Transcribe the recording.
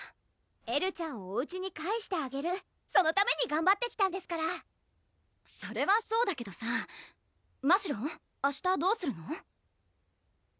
エルちゃんをおうちに帰してあげるそのためにがんばってきたんですからそれはそうだけどさましろん明日どうするの？